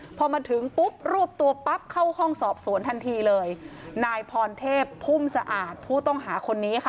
พอมาถึงปุ๊บรวบตัวปั๊บเข้าห้องสอบสวนทันทีเลยนายพรเทพพุ่มสะอาดผู้ต้องหาคนนี้ค่ะ